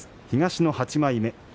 東の８枚目。